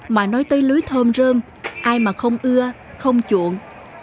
mà nói tới lưới thơm rơm ai mà không ưa không chuộng